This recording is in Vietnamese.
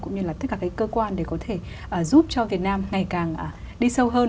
cũng như là tất cả cái cơ quan để có thể giúp cho việt nam ngày càng đi sâu hơn